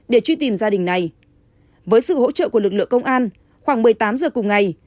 để truy tìm gia đình này với sự hỗ trợ của lực lượng công an khoảng một mươi tám giờ cùng ngày